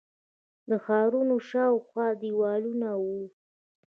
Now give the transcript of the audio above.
د ښارونو شاوخوا دیوالونه وو